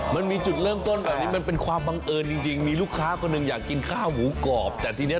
มันมีจุดเริ่มต้นแบบนี้มันเป็นความบังเอิญจริงมีลูกค้าคนหนึ่งอยากกินข้าวหมูกรอบแต่ทีนี้